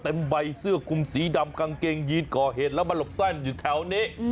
เต็มใบเสื้อคุมสีดำกางเกงยีนก่อเหตุแล้วมาหลบซ่อนอยู่แถวนี้